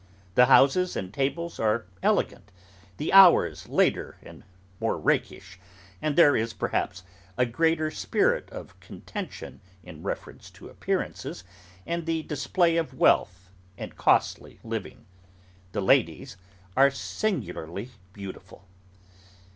The houses and tables are elegant; the hours later and more rakish; and there is, perhaps, a greater spirit of contention in reference to appearances, and the display of wealth and costly living. The ladies are singularly beautiful.